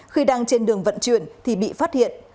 khi đang trên đường vận chuyển thì bị phát hiện